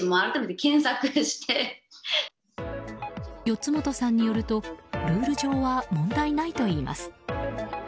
四元さんによるとルール上は問題ないといいます。